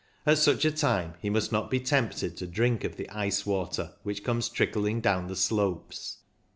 At such a time he must not be tempted to drink of the ice water which comes trickling down the slopes.